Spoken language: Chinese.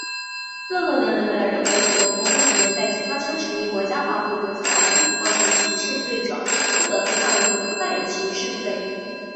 任何人的任何行为或不行为,在其发生时依国家法或国际法均不构成刑事罪者,不得被判为犯有刑事罪。